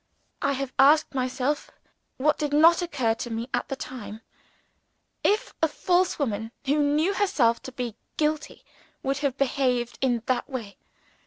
I have asked myself (what did not occur to me at the time) if a false woman, who knew herself to be guilty, would have behaved in that way?